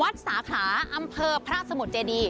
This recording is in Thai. สาขาอำเภอพระสมุทรเจดี